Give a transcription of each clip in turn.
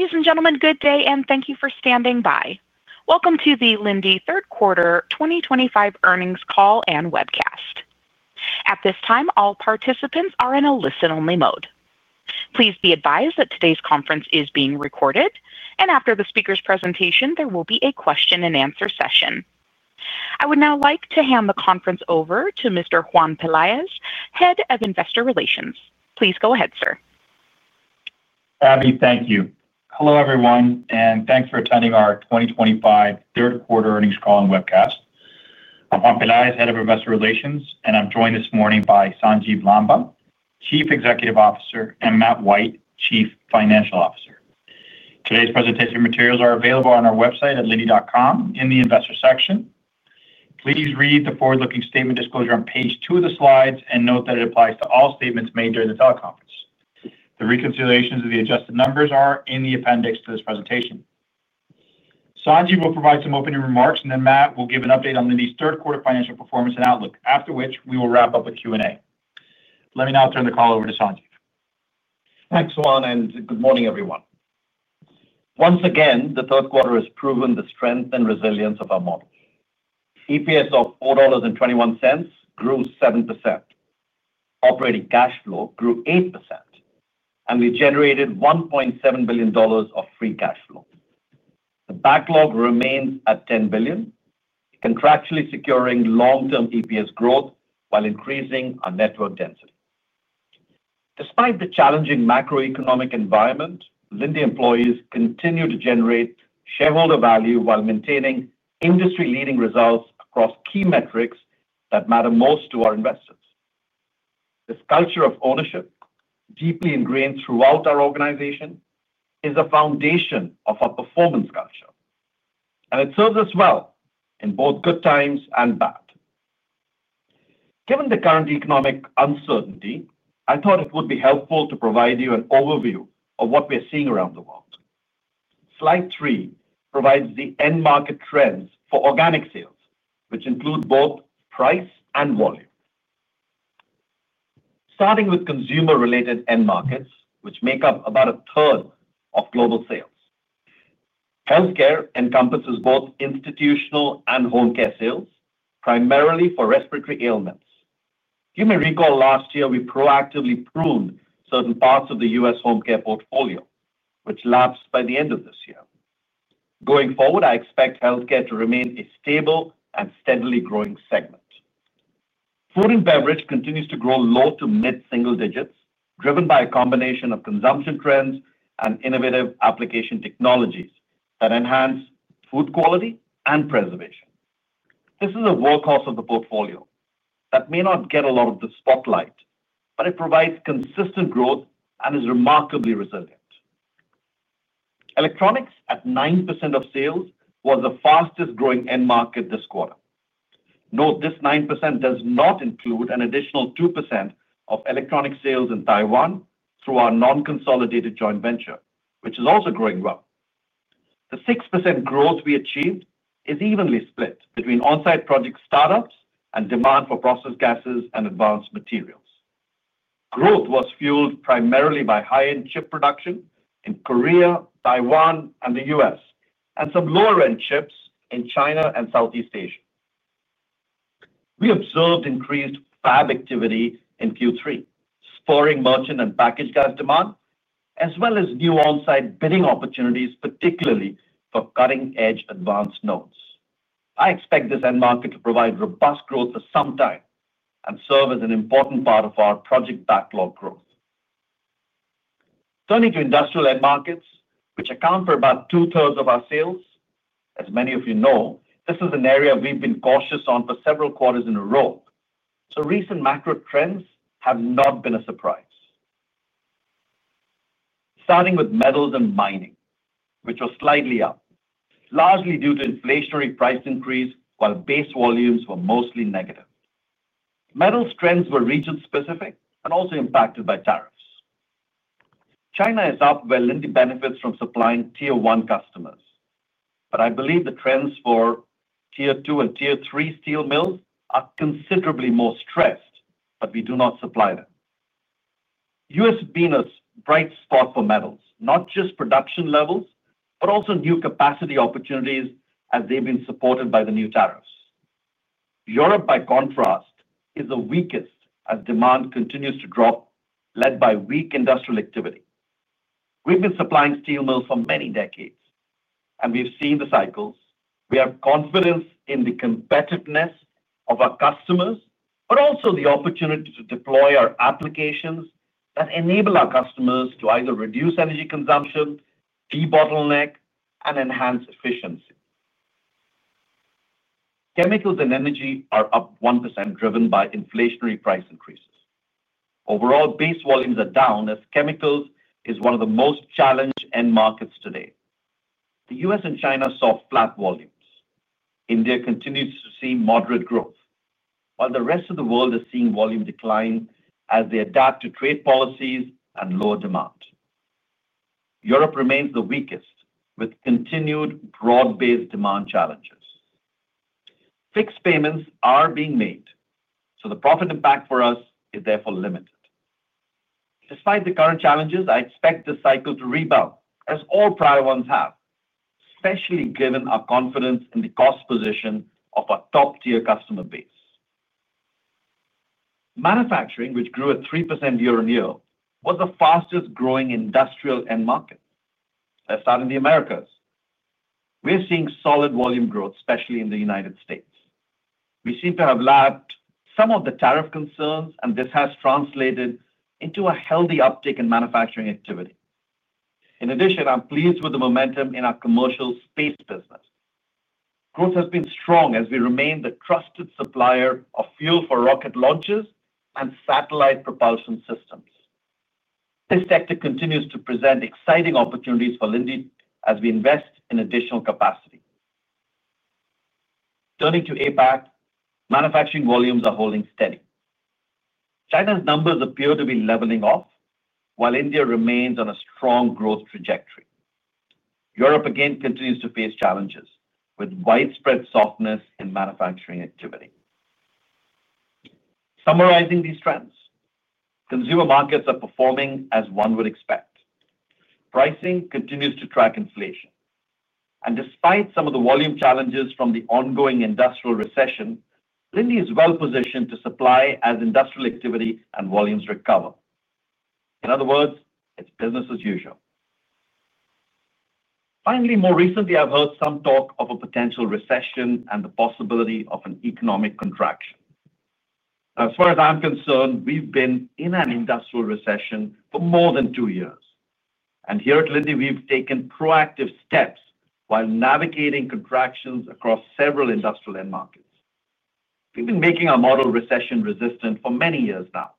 Ladies and gentlemen, good day, and thank you for standing by. Welcome to the Linde Third Quarter 2025 earnings call and webcast. At this time, all participants are in a listen-only mode. Please be advised that today's conference is being recorded, and after the speaker's presentation, there will be a question-and-answer session. I would now like to hand the conference over to Mr. Juan Peláez, Head of Investor Relations. Please go ahead, sir. Abby, thank you. Hello, everyone, and thanks for attending our 2025 Third Quarter earnings call and webcast. I'm Juan Peláez, Head of Investor Relations, and I'm joined this morning by Sanjiv Lamba, Chief Executive Officer, and Matt White, Chief Financial Officer. Today's presentation materials are available on our website at linde.com in the Investor section. Please read the forward-looking statement disclosure on page two of the slides and note that it applies to all statements made during the teleconference. The reconciliations of the adjusted numbers are in the appendix to this presentation. Sanjiv will provide some opening remarks, and then Matt will give an update on Linde's third quarter financial performance and outlook, after which we will wrap up with Q&A. Let me now turn the call over to Sanjiv. Thanks, Juan, and good morning, everyone. Once again, the third quarter has proven the strength and resilience of our model. EPS of $4.21 grew 7%. Operating cash flow grew 8%, and we generated $1.7 billion of free cash flow. The backlog remains at $10 billion, contractually securing long-term EPS growth while increasing our network density. Despite the challenging macroeconomic environment, Linde employees continue to generate shareholder value while maintaining industry-leading results across key metrics that matter most to our investors. This culture of ownership, deeply ingrained throughout our organization, is a foundation of our performance culture. It serves us well in both good times and bad. Given the current economic uncertainty, I thought it would be helpful to provide you an overview of what we're seeing around the world. Slide three provides the end market trends for organic sales, which include both price and volume. Starting with consumer-related end markets, which make up about a third of global sales. Healthcare encompasses both institutional and home care sales, primarily for respiratory ailments. You may recall last year we proactively pruned certain parts of the U.S. home care portfolio, which lapsed by the end of this year. Going forward, I expect healthcare to remain a stable and steadily growing segment. Food and beverage continues to grow low to mid-single digits, driven by a combination of consumption trends and innovative application technologies that enhance food quality and preservation. This is a workhorse of the portfolio that may not get a lot of the spotlight, but it provides consistent growth and is remarkably resilient. Electronics, at 9% of sales, was the fastest-growing end market this quarter. Note this 9% does not include an additional 2% of electronic sales in Taiwan through our non-consolidated joint venture, which is also growing well. The 6% growth we achieved is evenly split between onsite project startups and demand for processed gases and advanced materials. Growth was fueled primarily by high-end chip production in Korea, Taiwan, and the U.S., and some lower-end chips in China and Southeast Asia. We observed increased fab activity in Q3, spurring merchant and packaged gas demand, as well as new onsite bidding opportunities, particularly for cutting-edge advanced nodes. I expect this end market to provide robust growth for some time and serve as an important part of our project backlog growth. Turning to industrial end markets, which account for about two-thirds of our sales, as many of you know, this is an area we've been cautious on for several quarters in a row. Recent macro trends have not been a surprise. Starting with metals and mining, which were slightly up, largely due to inflationary price increase while base volumes were mostly negative. Metals trends were region-specific and also impacted by tariffs. China is up, where Linde benefits from supplying tier-one customers. I believe the trends for tier-two and tier-three steel mills are considerably more stressed, but we do not supply them. The U.S. has been a bright spot for metals, not just production levels, but also new capacity opportunities as they've been supported by the new tariffs. Europe, by contrast, is the weakest as demand continues to drop, led by weak industrial activity. We've been supplying steel mills for many decades, and we've seen the cycles. We have confidence in the competitiveness of our customers, but also the opportunity to deploy our applications that enable our customers to either reduce energy consumption, de-bottleneck, and enhance efficiency. Chemicals and energy are up 1%, driven by inflationary price increases. Overall, base volumes are down as chemicals is one of the most challenged end markets today. The U.S. and China saw flat volumes. India continues to see moderate growth, while the rest of the world is seeing volume decline as they adapt to trade policies and lower demand. Europe remains the weakest, with continued broad-based demand challenges. Fixed payments are being made, so the profit impact for us is therefore limited. Despite the current challenges, I expect the cycle to rebound, as all prior ones have, especially given our confidence in the cost position of our top-tier customer base. Manufacturing, which grew at 3% year-on-year, was the fastest-growing industrial end market. Starting in the Americas, we're seeing solid volume growth, especially in the United States. We seem to have lapped some of the tariff concerns, and this has translated into a healthy uptick in manufacturing activity. In addition, I'm pleased with the momentum in our commercial space business. Growth has been strong as we remain the trusted supplier of fuel for rocket launches and satellite propulsion systems. This sector continues to present exciting opportunities for Linde as we invest in additional capacity. Turning to APAC, manufacturing volumes are holding steady. China's numbers appear to be leveling off, while India remains on a strong growth trajectory. Europe, again, continues to face challenges with widespread softness in manufacturing activity. Summarizing these trends, consumer markets are performing as one would expect. Pricing continues to track inflation. Despite some of the volume challenges from the ongoing industrial recession, Linde is well-positioned to supply as industrial activity and volumes recover. In other words, it's business as usual. Finally, more recently, I've heard some talk of a potential recession and the possibility of an economic contraction. As far as I'm concerned, we've been in an industrial recession for more than two years. Here at Linde, we've taken proactive steps while navigating contractions across several industrial end markets. We've been making our model recession-resistant for many years now,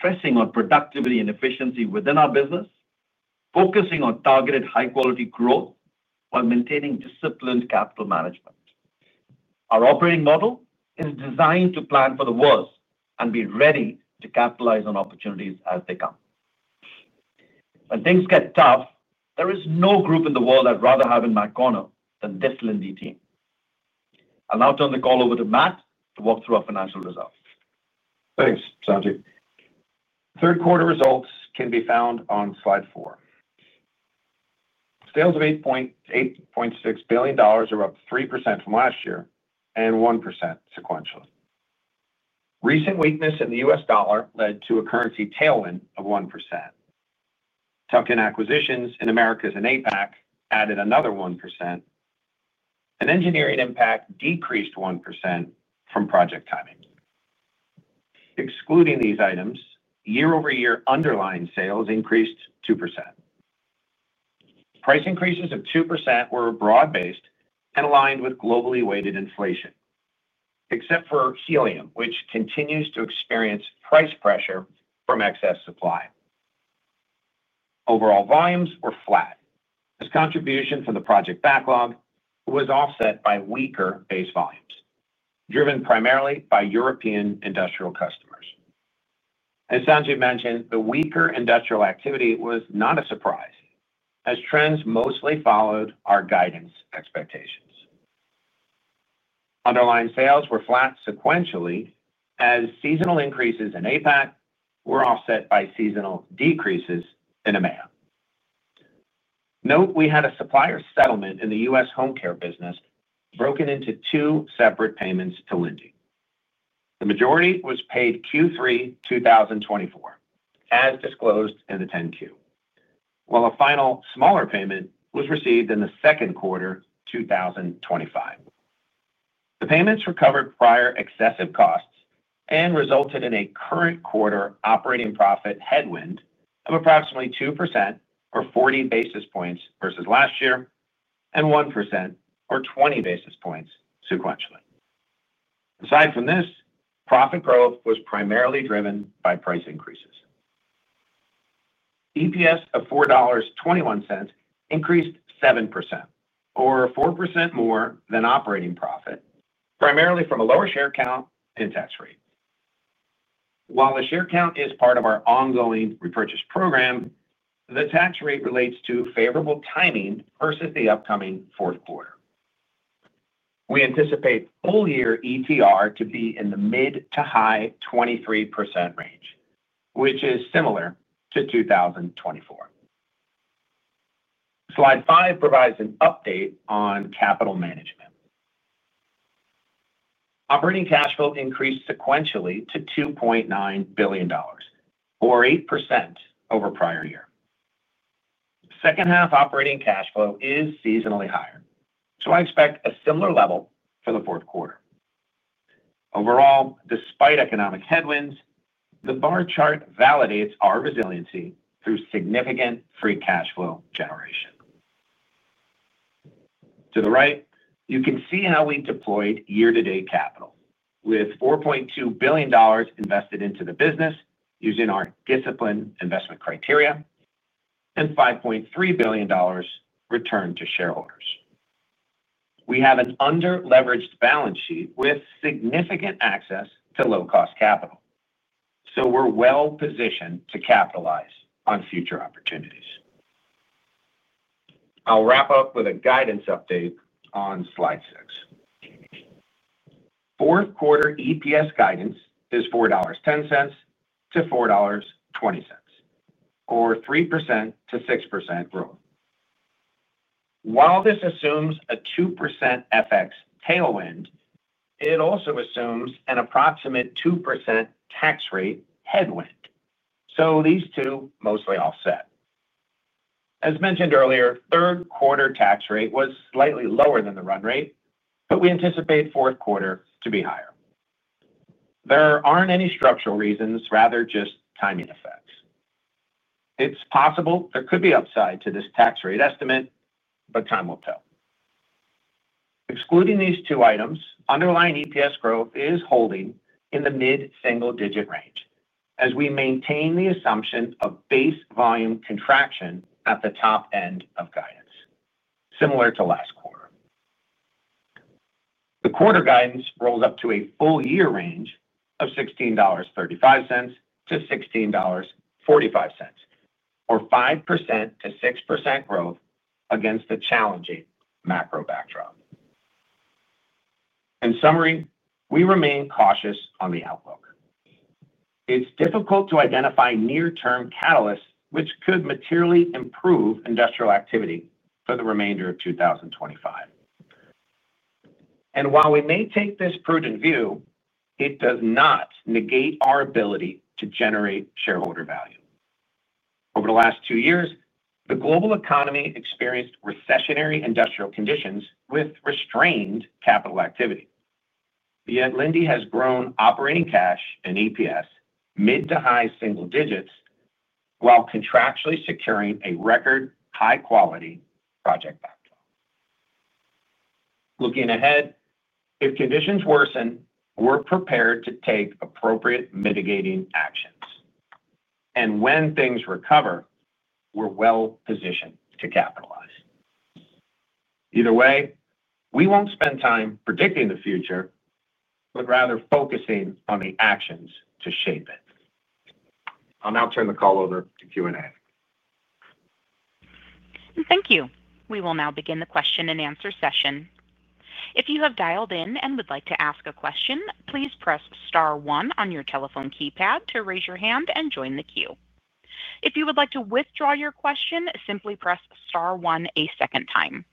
stressing on productivity and efficiency within our business, focusing on targeted high-quality growth while maintaining disciplined capital management. Our operating model is designed to plan for the worst and be ready to capitalize on opportunities as they come. When things get tough, there is no group in the world I'd rather have in my corner than this Linde team. I'll now turn the call over to Matt to walk through our financial results. Thanks, Sanjiv. Third quarter results can be found on slide four. Sales of $8.6 billion are up 3% from last year and 1% sequentially. Recent weakness in the U.S. dollar led to a currency tailwind of 1%. Tuck-in acquisitions in Americas and APAC added another 1%. Engineering impact decreased 1% from project timing. Excluding these items, year-over-year underlying sales increased 2%. Price increases of 2% were broad-based and aligned with globally weighted inflation, except for helium, which continues to experience price pressure from excess supply. Overall volumes were flat. This contribution from the project backlog was offset by weaker base volumes, driven primarily by European industrial customers. As Sanjiv mentioned, the weaker industrial activity was not a surprise, as trends mostly followed our guidance expectations. Underlying sales were flat sequentially, as seasonal increases in APAC were offset by seasonal decreases in AMEA. Note we had a supplier settlement in the U.S. home care business broken into two separate payments to Linde. The majority was paid Q3 2024, as disclosed in the 10-Q, while a final smaller payment was received in the second quarter 2025. The payments recovered prior excessive costs and resulted in a current quarter operating profit headwind of approximately 2%, or 40 basis points versus last year, and 1%, or 20 basis points sequentially. Aside from this, profit growth was primarily driven by price increases. EPS of $4.21 increased 7%, or 4% more than operating profit, primarily from a lower share count and tax rate. While the share count is part of our ongoing repurchase program, the tax rate relates to favorable timing versus the upcoming fourth quarter. We anticipate full-year ETR to be in the mid to high 23% range, which is similar to 2024. Slide five provides an update on capital management. Operating cash flow increased sequentially to $2.9 billion, or 8% over prior year. Second-half operating cash flow is seasonally higher, so I expect a similar level for the fourth quarter. Overall, despite economic headwinds, the bar chart validates our resiliency through significant free cash flow generation. To the right, you can see how we deployed year-to-date capital, with $4.2 billion invested into the business using our disciplined investment criteria and $5.3 billion returned to shareholders. We have an under-leveraged balance sheet with significant access to low-cost capital, so we're well-positioned to capitalize on future opportunities. I'll wrap up with a guidance update on slide six. Fourth quarter EPS guidance is $4.10-$4.20, or 3% to 6% growth. While this assumes a 2% FX tailwind, it also assumes an approximate 2% tax rate headwind. These two mostly offset. As mentioned earlier, third quarter tax rate was slightly lower than the run rate, but we anticipate fourth quarter to be higher. There aren't any structural reasons, rather just timing effects. It's possible there could be upside to this tax rate estimate, but time will tell. Excluding these two items, underlying EPS growth is holding in the mid-single digit range as we maintain the assumption of base volume contraction at the top end of guidance, similar to last quarter. The quarter guidance rolls up to a full-year range of $16.35-$16.45, or 5%-6% growth against the challenging macro backdrop. In summary, we remain cautious on the outlook. It's difficult to identify near-term catalysts which could materially improve industrial activity for the remainder of 2025. While we may take this prudent view, it does not negate our ability to generate shareholder value. Over the last two years, the global economy experienced recessionary industrial conditions with restrained capital activity. Yet Linde has grown operating cash and EPS mid to high single digits while contractually securing a record high-quality project backlog. Looking ahead, if conditions worsen, we're prepared to take appropriate mitigating actions. When things recover, we're well-positioned to capitalize. Either way, we won't spend time predicting the future, but rather focusing on the actions to shape it. I'll now turn the call over to Q&A. Thank you. We will now begin the question-and-answer session. If you have dialed in and would like to ask a question, please press star one on your telephone keypad to raise your hand and join the queue. If you would like to withdraw your question, simply press star one a second time.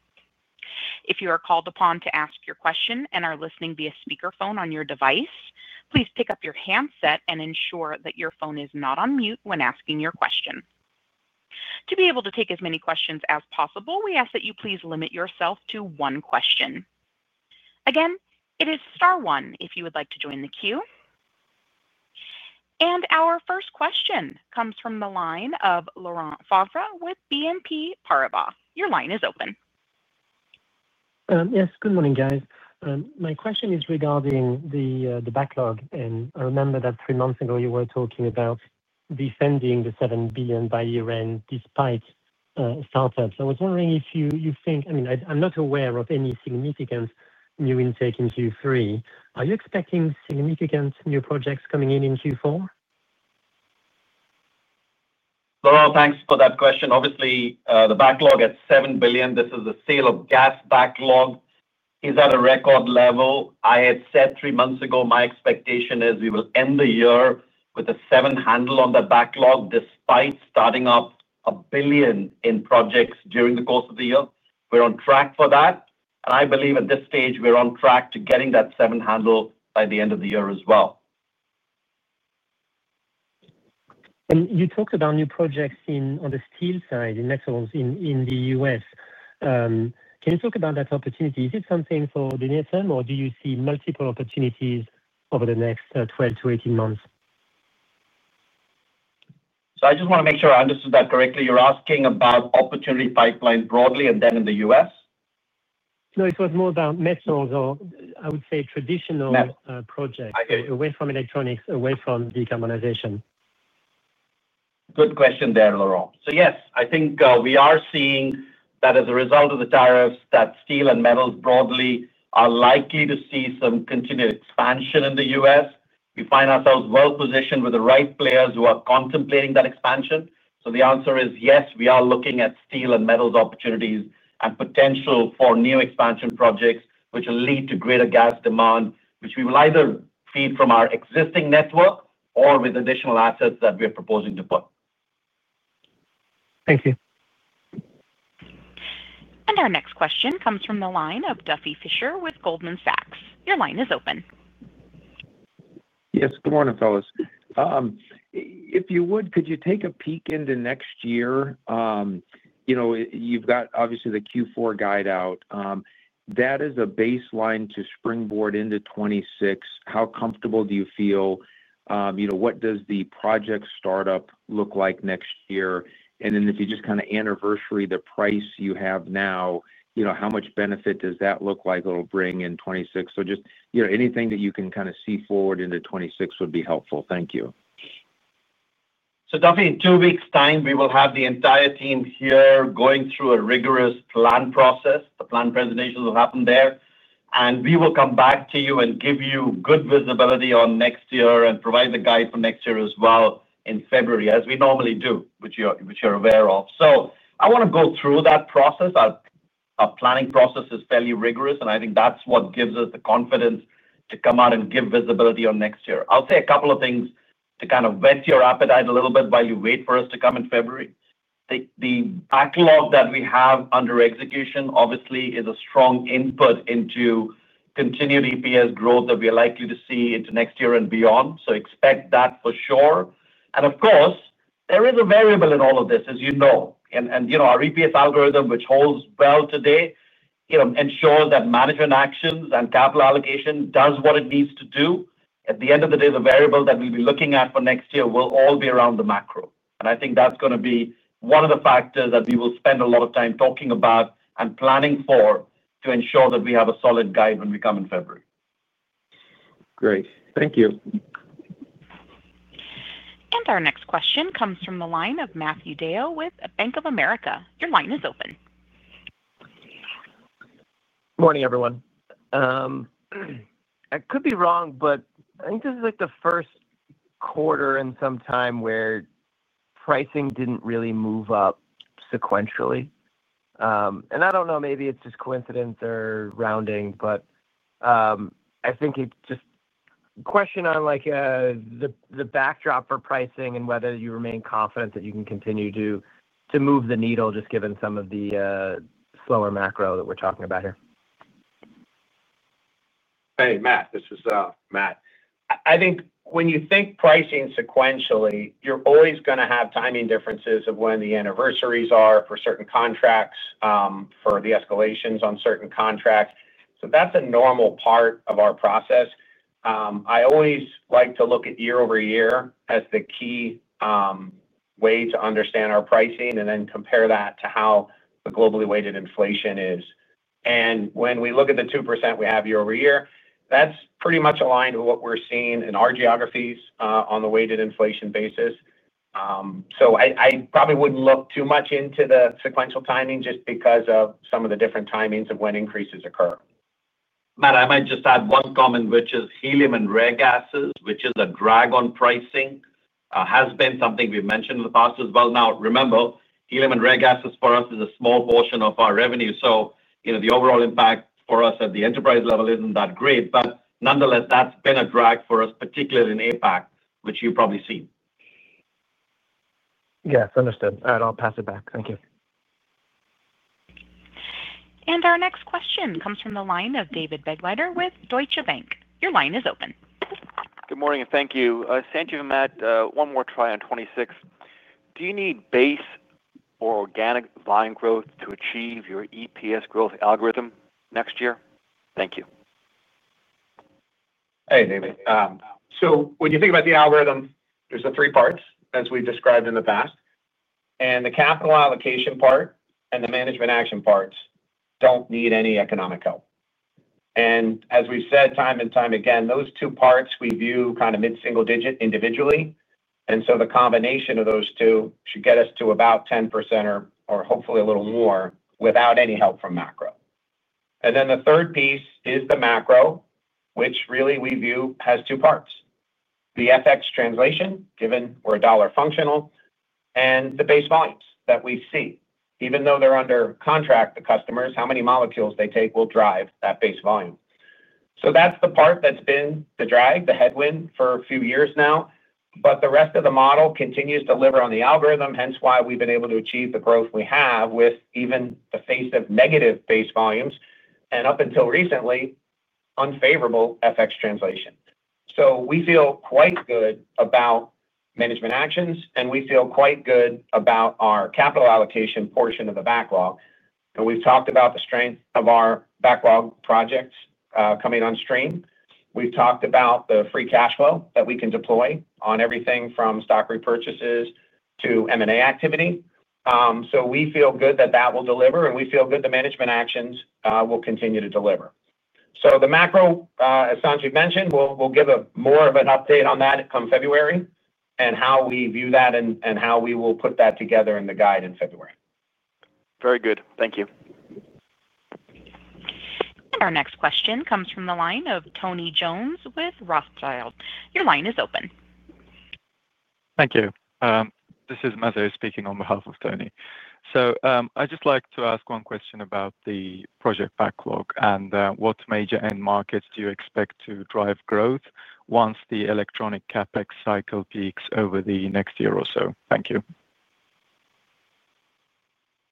If you are called upon to ask your question and are listening via speakerphone on your device, please pick up your handset and ensure that your phone is not on mute when asking your question. To be able to take as many questions as possible, we ask that you please limit yourself to one question. Again, it is star one if you would like to join the queue. Our first question comes from the line of Laurent Favre with BNP Paribas. Your line is open. Yes, good morning, guys. My question is regarding the backlog. I remember that three months ago, you were talking about defending the $7 billion by year-end despite startups. I was wondering if you think, I mean, I'm not aware of any significant new intake in Q3. Are you expecting significant new projects coming in in Q4? Thank you for that question. Obviously, the backlog at $7 billion, this is a sale of gas backlog, is at a record level. I had said three months ago my expectation is we will end the year with a seven handle on the backlog despite starting up $1 billion in projects during the course of the year. We're on track for that, and I believe at this stage we're on track to getting that seven handle by the end of the year as well. You talked about new projects on the steel side in the U.S. Can you talk about that opportunity? Is it something for the near term, or do you see multiple opportunities over the next 12 to 18 months? I just want to make sure I understood that correctly. You're asking about opportunity pipeline broadly and then in the U.S.? No, it was more about metals or, I would say, traditional projects. Metals. Away from electronics, away from decarbonization. Good question there, Laurent. Yes, I think we are seeing that as a result of the tariffs, steel and metals broadly are likely to see some continued expansion in the U.S. We find ourselves well-positioned with the right players who are contemplating that expansion. The answer is yes, we are looking at steel and metals opportunities and potential for new expansion projects, which will lead to greater gas demand, which we will either feed from our existing network or with additional assets that we are proposing to put. Thank you. Our next question comes from the line of Duffy Fischer with Goldman Sachs. Your line is open. Yes, good morning, fellas. If you would, could you take a peek into next year? You've got, obviously, the Q4 guide out. That is a baseline to springboard into 2026. How comfortable do you feel? What does the project startup look like next year? If you just kind of anniversary the price you have now, how much benefit does that look like it'll bring in 2026? Anything that you can kind of see forward into 2026 would be helpful. Thank you. In two weeks' time, we will have the entire team here going through a rigorous plan process. The plan presentation will happen there, and we will come back to you and give you good visibility on next year and provide the guide for next year as well in February, as we normally do, which you're aware of. I want to go through that process. Our planning process is fairly rigorous, and I think that's what gives us the confidence to come out and give visibility on next year. I'll say a couple of things to kind of wet your appetite a little bit while you wait for us to come in February. The backlog that we have under execution, obviously, is a strong input into continued EPS growth that we are likely to see into next year and beyond. Expect that for sure. There is a variable in all of this, as you know, and our EPS algorithm, which holds well today, ensures that management actions and capital allocation does what it needs to do. At the end of the day, the variable that we'll be looking at for next year will all be around the macro. I think that's going to be one of the factors that we will spend a lot of time talking about and planning for to ensure that we have a solid guide when we come in February. Great. Thank you. Our next question comes from the line of Matthew Dale with Bank of America. Your line is open. Good morning, everyone. I could be wrong, but I think this is the first quarter in some time where pricing didn't really move up sequentially. I don't know, maybe it's just coincidence or rounding, but I think it's just a question on the backdrop for pricing and whether you remain confident that you can continue to move the needle just given some of the slower macro that we're talking about here. Hey, Matt, this is Matt. I think when you think pricing sequentially, you're always going to have timing differences of when the anniversaries are for certain contracts, for the escalations on certain contracts. That's a normal part of our process. I always like to look at year-over-year as the key way to understand our pricing and then compare that to how the globally weighted inflation is. When we look at the 2% we have year-over-year, that's pretty much aligned with what we're seeing in our geographies on the weighted inflation basis. I probably wouldn't look too much into the sequential timing just because of some of the different timings of when increases occur. Matt, I might just add one comment, which is helium and rare gases, which is a drag on pricing, has been something we've mentioned in the past as well. Now, remember, helium and rare gases for us is a small portion of our revenue. The overall impact for us at the enterprise level isn't that great. Nonetheless, that's been a drag for us, particularly in APAC, which you've probably seen. Yes, understood. All right, I'll pass it back. Thank you. Our next question comes from the line of David Begleiter with Deutsche Bank. Your line is open. Good morning, and thank you. Sanjiv and Matt, one more try on 2026. Do you need base or organic line growth to achieve your EPS growth algorithm next year? Thank you. Hey, David. When you think about the algorithm, there are three parts, as we've described in the past. The capital allocation part and the management action parts do not need any economic help. As we've said time and time again, those two parts we view as kind of mid-single digit individually. The combination of those two should get us to about 10% or hopefully a little more without any help from macro. The third piece is the macro, which really we view as two parts: the FX translation, given we're a dollar functional, and the base volumes that we see. Even though they're under contract, the customers, how many molecules they take will drive that base volume. That is the part that's been the drag, the headwind for a few years now. The rest of the model continues to deliver on the algorithm, which is why we've been able to achieve the growth we have even in the face of negative base volumes and, up until recently, unfavorable FX translation. We feel quite good about management actions, and we feel quite good about our capital allocation portion of the backlog. We've talked about the strength of our backlog projects coming on stream. We've talked about the free cash flow that we can deploy on everything from stock repurchases to M&A activity. We feel good that that will deliver, and we feel good the management actions will continue to deliver. The macro, as Sanjiv mentioned, we will give more of an update on that come February and how we view that and how we will put that together in the guide in February. Very good. Thank you. Our next question comes from the line of Tony Jones with Rothschild. Your line is open. Thank you. This is Matt White speaking on behalf of Tony. I'd just like to ask one question about the project backlog and what major end markets do you expect to drive growth once the electronic CapEx cycle peaks over the next year or so. Thank you.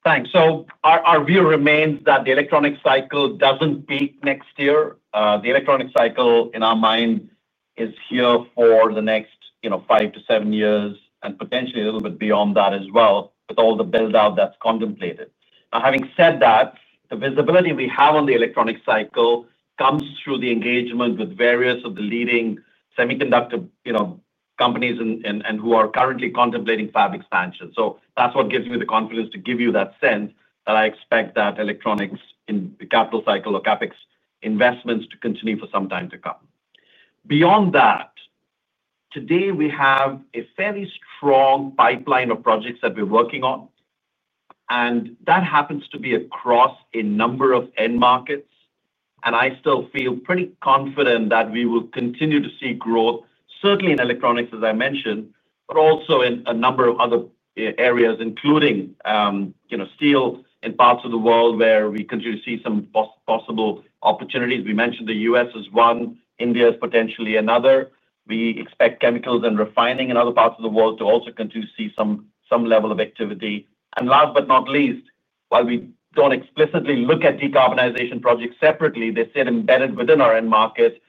Thanks. Our view remains that the electronic cycle doesn't peak next year. The electronic cycle, in our mind, is here for the next five to seven years and potentially a little bit beyond that as well with all the build-out that's contemplated. Having said that, the visibility we have on the electronic cycle comes through the engagement with various of the leading semiconductor companies who are currently contemplating fab expansion. That's what gives me the confidence to give you that sense that I expect that electronics in the capital cycle or CapEx investments to continue for some time to come. Today, we have a fairly strong pipeline of projects that we're working on, and that happens to be across a number of end markets. I still feel pretty confident that we will continue to see growth, certainly in electronics, as I mentioned, but also in a number of other areas, including steel in parts of the world where we continue to see some possible opportunities. We mentioned the U.S. is one. India is potentially another. We expect chemicals and refining in other parts of the world to also continue to see some level of activity. Last but not least, while we don't explicitly look at decarbonization projects separately, they sit embedded within our end market.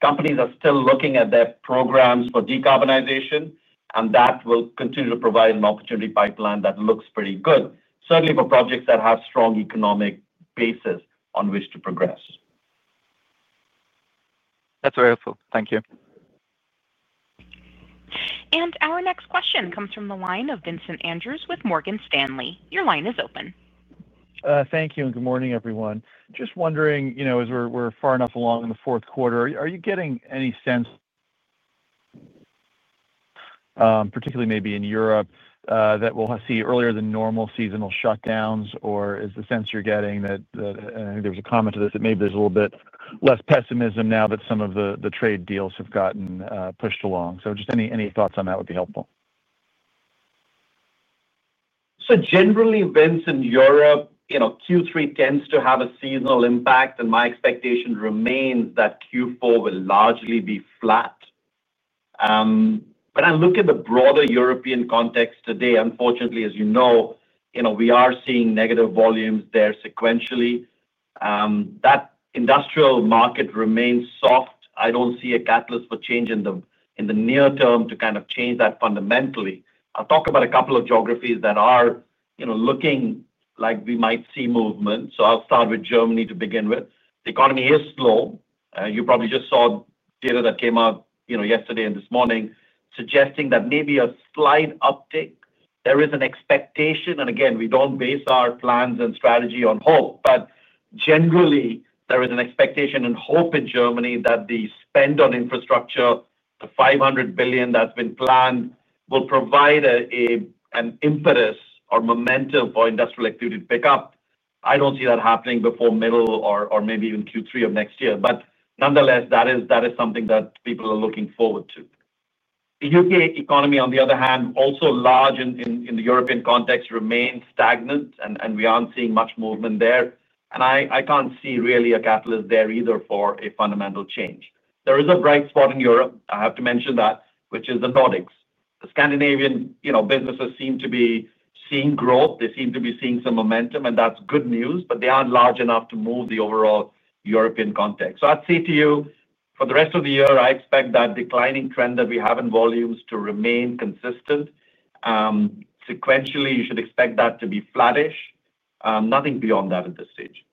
Companies are still looking at their programs for decarbonization, and that will continue to provide an opportunity pipeline that looks pretty good, certainly for projects that have strong economic bases on which to progress. That's very helpful. Thank you. Our next question comes from the line of Vincent Andrews with Morgan Stanley. Your line is open. Thank you. Good morning, everyone. Just wondering, as we're far enough along in the fourth quarter, are you getting any sense, particularly maybe in Europe, that we'll see earlier than normal seasonal shutdowns? Is the sense you're getting that, I think there was a comment to this, that maybe there's a little bit less pessimism now that some of the trade deals have gotten pushed along? Any thoughts on that would be helpful. Generally, Vince, in Europe, Q3 tends to have a seasonal impact, and my expectation remains that Q4 will largely be flat. When I look at the broader European context today, unfortunately, as you know, we are seeing negative volumes there sequentially. That industrial market remains soft. I don't see a catalyst for change in the near term to kind of change that fundamentally. I'll talk about a couple of geographies that are looking like we might see movement. I'll start with Germany to begin with. The economy is slow. You probably just saw data that came out yesterday and this morning suggesting that maybe a slight uptick. There is an expectation. Again, we don't base our plans and strategy on hope, but generally, there is an expectation and hope in Germany that the spend on infrastructure, the $500 billion that's been planned, will provide an impetus or momentum for industrial activity to pick up. I don't see that happening before middle or maybe even Q3 of next year. Nonetheless, that is something that people are looking forward to. The UK economy, on the other hand, also large in the European context, remains stagnant, and we aren't seeing much movement there. I can't see really a catalyst there either for a fundamental change. There is a bright spot in Europe, I have to mention that, which is the Nordics. The Scandinavian businesses seem to be seeing growth. They seem to be seeing some momentum, and that's good news, but they aren't large enough to move the overall European context. I'd say to you, for the rest of the year, I expect that declining trend that we have in volumes to remain consistent. Sequentially, you should expect that to be flattish. Nothing beyond that at this stage.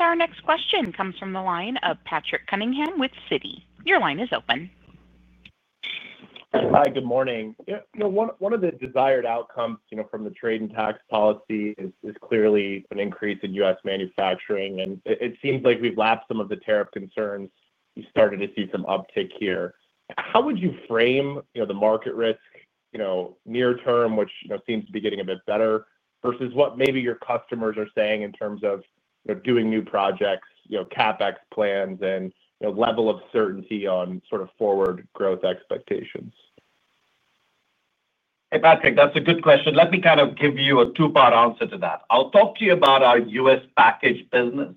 Our next question comes from the line of Patrick Cunningham with Citi. Your line is open. Hi, good morning. One of the desired outcomes from the trade and tax policy is clearly an increase in U.S. manufacturing. It seems like we've lapped some of the tariff concerns. You started to see some uptick here. How would you frame the market risk, near term, which seems to be getting a bit better, versus what maybe your customers are saying in terms of doing new projects, CapEx plans, and level of certainty on sort of forward growth expectations? Hey, Patrick, that's a good question. Let me give you a two-part answer to that. I'll talk to you about our U.S. package business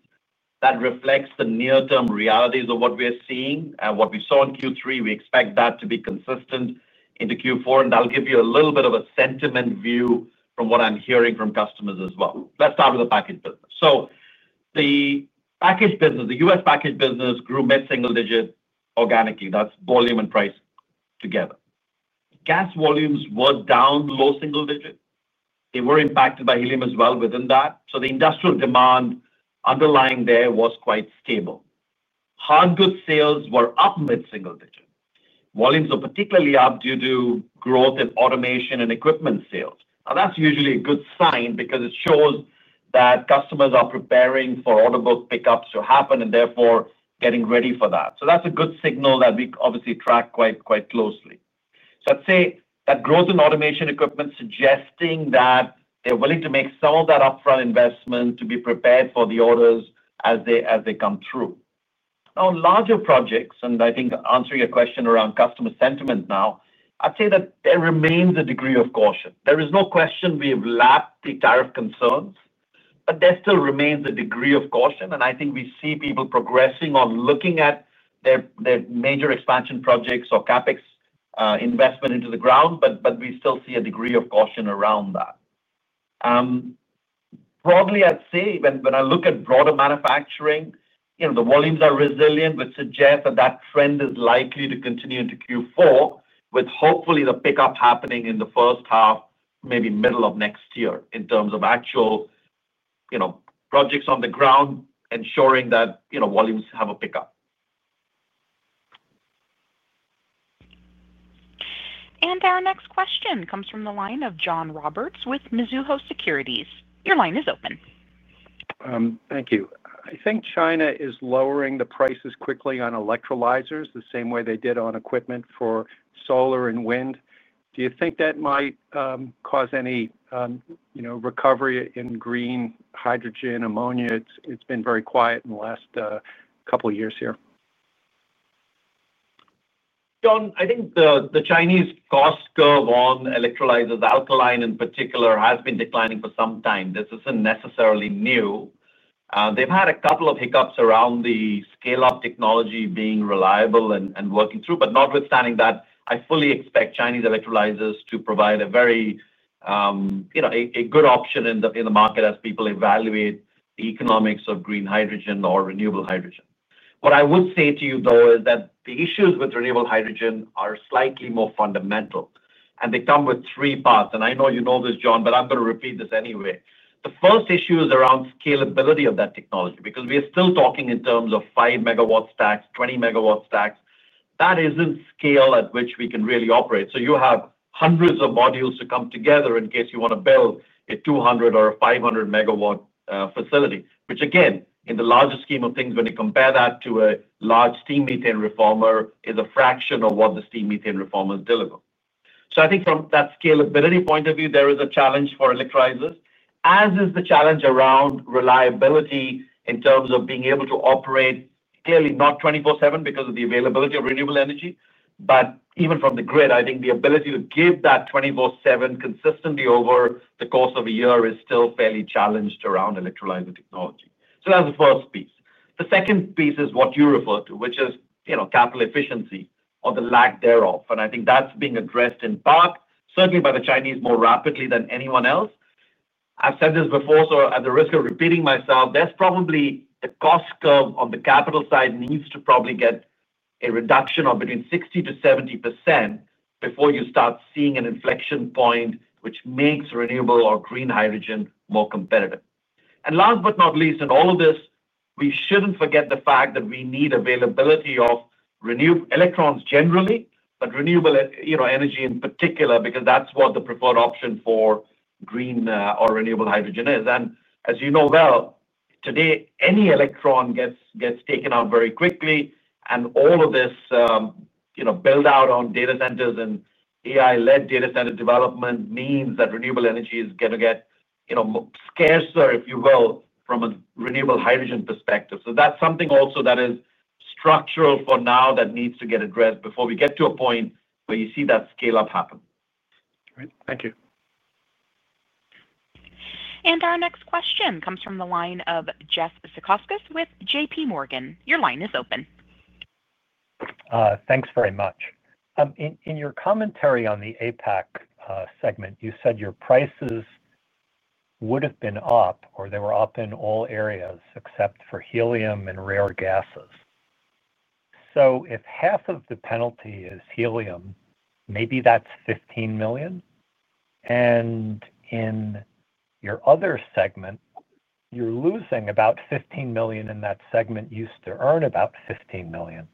that reflects the near-term realities of what we are seeing and what we saw in Q3. We expect that to be consistent into Q4. I'll give you a little bit of a sentiment view from what I'm hearing from customers as well. Let's start with the package business. The U.S. package business grew mid-single digit organically. That's volume and price together. Gas volumes were down low single digit. They were impacted by helium as well within that. The industrial demand underlying there was quite stable. Hard goods sales were up mid-single digit. Volumes were particularly up due to growth in automation and equipment sales. That's usually a good sign because it shows that customers are preparing for audible pickups to happen and therefore getting ready for that. That's a good signal that we obviously track quite closely. I'd say that growth in automation equipment suggests that they're willing to make some of that upfront investment to be prepared for the orders as they come through. Now, larger projects, and answering your question around customer sentiment, I'd say that there remains a degree of caution. There is no question we have lapped the tariff concerns, but there still remains a degree of caution. I think we see people progressing on looking at their major expansion projects or CapEx investment into the ground, but we still see a degree of caution around that. Broadly, I'd say when I look at broader manufacturing, the volumes are resilient, which suggests that trend is likely to continue into Q4 with hopefully the pickup happening in the first half, maybe middle of next year in terms of actual projects on the ground ensuring that volumes have a pickup. Our next question comes from the line of John Roberts with Mizuho Securities. Your line is open. Thank you. I think China is lowering the prices quickly on electrolyzers the same way they did on equipment for solar and wind. Do you think that might cause any recovery in green hydrogen, ammonia? It's been very quiet in the last couple of years here. John, I think the Chinese cost curve on electrolyzers, alkaline in particular, has been declining for some time. This isn't necessarily new. They've had a couple of hiccups around the scale-up technology being reliable and working through, but notwithstanding that, I fully expect Chinese electrolyzers to provide a very good option in the market as people evaluate the economics of green hydrogen or renewable hydrogen. What I would say to you, though, is that the issues with renewable hydrogen are slightly more fundamental, and they come with three parts. I know you know this, John, but I'm going to repeat this anyway. The first issue is around scalability of that technology because we are still talking in terms of 5-MG stacks, 20-MW stacks. That isn't scale at which we can really operate. You have hundreds of modules to come together in case you want to build a 200 or a 500-MW facility, which, again, in the larger scheme of things, when you compare that to a large steam methane reformer, is a fraction of what the steam methane reformer is delivering. I think from that scalability point of view, there is a challenge for electrolyzers, as is the challenge around reliability in terms of being able to operate clearly not 24/7 because of the availability of renewable energy, but even from the grid, I think the ability to give that 24/7 consistently over the course of a year is still fairly challenged around electrolyzer technology. That's the first piece. The second piece is what you refer to, which is capital efficiency or the lack thereof. I think that's being addressed in part, certainly by the Chinese more rapidly than anyone else. I've said this before, so at the risk of repeating myself, there's probably the cost curve on the capital side needs to probably get a reduction of between 60%-70% before you start seeing an inflection point which makes renewable or green hydrogen more competitive. Last but not least, in all of this, we shouldn't forget the fact that we need availability of electrons generally, but renewable energy in particular because that's what the preferred option for green or renewable hydrogen is. As you know well, today, any electron gets taken out very quickly. All of this build-out on data centers and AI-led data center development means that renewable energy is going to get scarcer, if you will, from a renewable hydrogen perspective. That's something also that is structural for now that needs to get addressed before we get to a point where you see that scale-up happen. All right. Thank you. Our next question comes from the line of Jeff Zajkowskis with JPMorgan. Your line is open. Thanks very much. In your commentary on the APAC segment, you said your prices would have been up, or they were up in all areas except for helium and rare gases. If half of the penalty is helium, maybe that's $15 million. In your other segment, you're losing about $15 million in that segment used to earn about $15 million.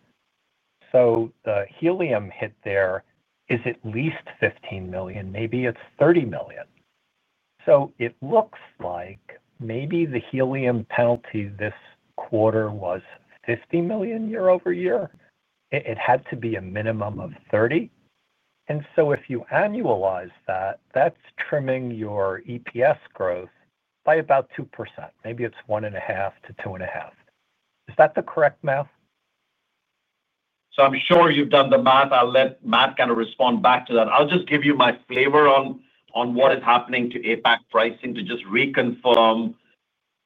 The helium hit there is at least $15 million, maybe it's $30 million. It looks like maybe the helium penalty this quarter was $50 million year over year. It had to be a minimum of $30 million. If you annualize that, that's trimming your EPS growth by about 2%. Maybe it's 1.5%-2.5%. Is that the correct math? I'm sure you've done the math. I'll let Matt kind of respond back to that. I'll just give you my flavor on what is happening to APAC pricing to just reconfirm.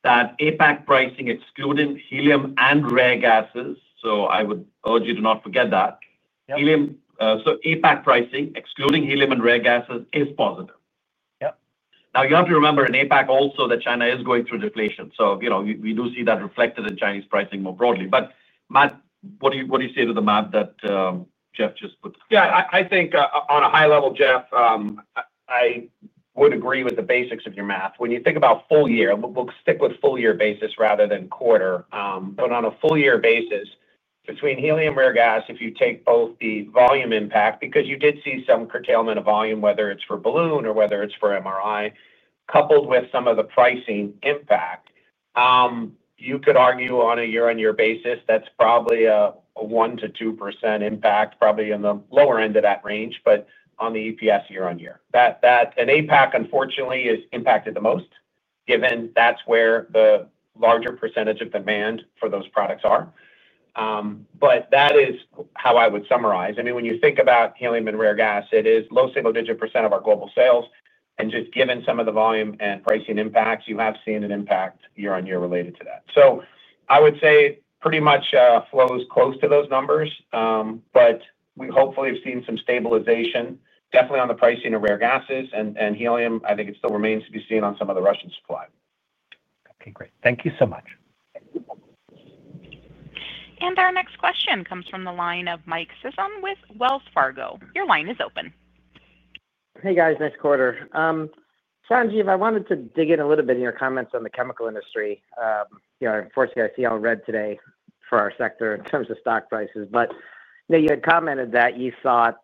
APAC pricing excluding helium and rare gases, so I would urge you to not forget that. APAC pricing excluding helium and rare gases is positive. You have to remember in APAC also that China is going through deflation. We do see that reflected in Chinese pricing more broadly. Matt, what do you say to the math that Jeff just put together? Yeah. I think on a high level, Jeff, I would agree with the basics of your math. When you think about full year, we'll stick with full-year basis rather than quarter. On a full-year basis, between helium and rare gas, if you take both the volume impact, because you did see some curtailment of volume, whether it's for balloon or whether it's for MRI, coupled with some of the pricing impact, you could argue on a year-on-year basis, that's probably a 1%-2% impact, probably in the lower end of that range, on the EPS year-on-year. APAC, unfortunately, is impacted the most, given that's where the larger percentage of demand for those products are. That is how I would summarize. When you think about helium and rare gas, it is low single-digit percentage of our global sales. Just given some of the volume and pricing impacts, you have seen an impact year-on-year related to that. I would say pretty much flows close to those numbers, but we hopefully have seen some stabilization, definitely on the pricing of rare gases. Helium, I think it still remains to be seen on some of the Russian supply. Okay. Great. Thank you so much. Our next question comes from the line of Mike Sison with Wells Fargo. Your line is open. Hey, guys. Nice quarter. Sanjiv, I wanted to dig in a little bit in your comments on the chemical industry. Unfortunately, I see all red today for our sector in terms of stock prices. You had commented that you thought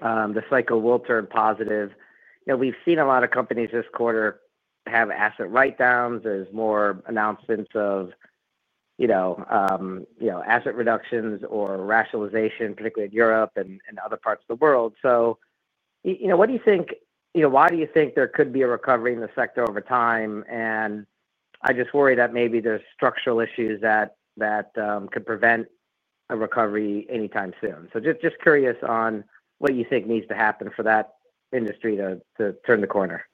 the cycle will turn positive. We've seen a lot of companies this quarter have asset write-downs. There's more announcements of asset reductions or rationalization, particularly in Europe and other parts of the world. What do you think? Why do you think there could be a recovery in the sector over time? I just worry that maybe there's structural issues that could prevent a recovery anytime soon. Just curious on what you think needs to happen for that industry to turn the corner.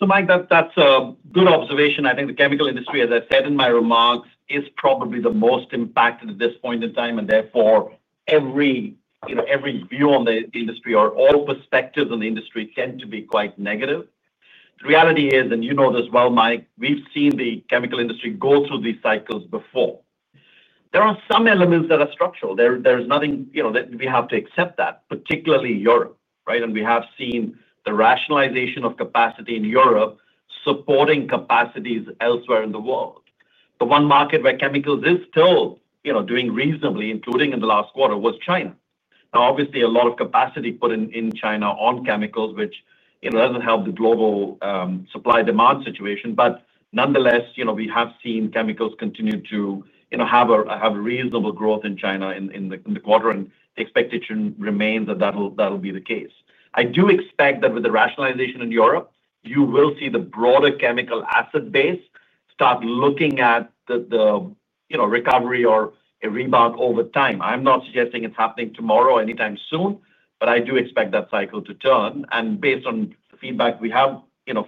That's a good observation. I think the chemical industry, as I said in my remarks, is probably the most impacted at this point in time. Therefore, every view on the industry or all perspectives on the industry tend to be quite negative. The reality is, and you know this well, Mike, we've seen the chemical industry go through these cycles before. There are some elements that are structural. There is nothing that we have to accept that, particularly Europe, right? We have seen the rationalization of capacity in Europe supporting capacities elsewhere in the world. The one market where chemicals are still doing reasonably, including in the last quarter, was China. Obviously, a lot of capacity put in China on chemicals, which doesn't help the global supply-demand situation. Nonetheless, we have seen chemicals continue to have a reasonable growth in China in the quarter. The expectation remains that that'll be the case. I do expect that with the rationalization in Europe, you will see the broader chemical asset base start looking at the recovery or a rebound over time. I'm not suggesting it's happening tomorrow or anytime soon, but I do expect that cycle to turn. Based on the feedback we have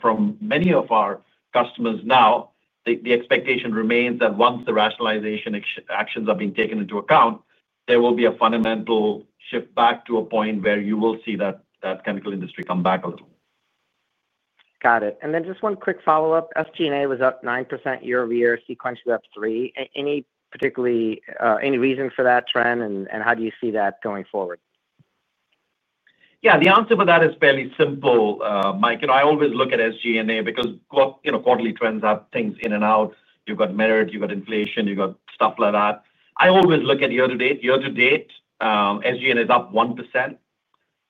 from many of our customers now, the expectation remains that once the rationalization actions are being taken into account, there will be a fundamental shift back to a point where you will see that chemical industry come back a little. Got it. Just one quick follow-up. SG&A was up 9% year-over-year, sequentially up 3%. Any reason for that trend, and how do you see that going forward? Yeah. The answer for that is fairly simple, Mike. I always look at SG&A because quarterly trends have things in and out. You've got merit, you've got inflation, you've got stuff like that. I always look at year-to-date. Year-to-date, SG&A is up 1%.